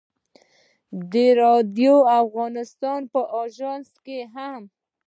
د راډیو افغانستان په اژانس کې هم.